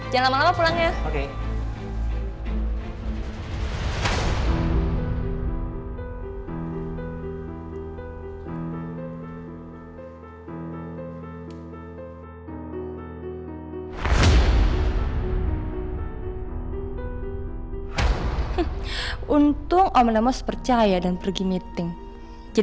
jangan lama lama pulang ya